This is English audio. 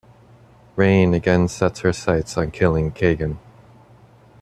Rayne again sets her sights on killing Kagan.